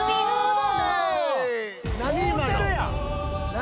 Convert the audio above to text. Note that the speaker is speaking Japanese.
何？